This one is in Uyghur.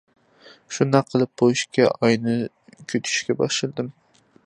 شۇنداق قىلىپ بۇ ئىككى ئاينى كۈتۈشكە باشلىدىم.